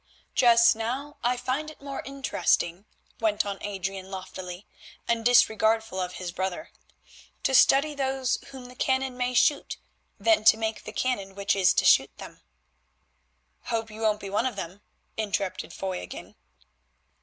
"Just now I find it more interesting," went on Adrian loftily and disregardful of his brother, "to study those whom the cannon may shoot than to make the cannon which is to shoot them." "Hope you won't be one of them," interrupted Foy again.